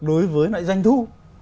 đối với lại danh thu